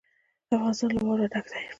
افغانستان له واوره ډک دی.